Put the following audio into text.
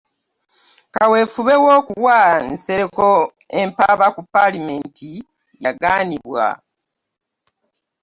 Kaweefube w'okuwa Nsereko empaaba ku Palamenti yagaanibwa